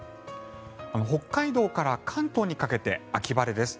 北海道から関東にかけて秋晴れです。